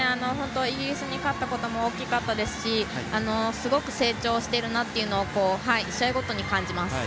イギリスに勝ったことも大きかったですしすごく成長してるなっていうのは試合ごとに感じます。